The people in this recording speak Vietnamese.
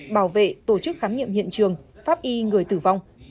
bảo vệ tổ chức khám nghiệm hiện trường pháp y người tử vong